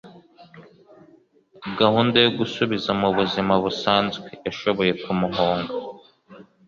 gahunda yo gusubiza mu buzima busanzwe. yashoboye kumuhunga